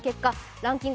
ランキング